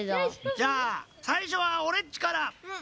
じゃあさいしょはオレっちから。